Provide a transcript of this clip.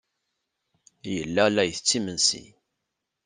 Yella la ittett imensi.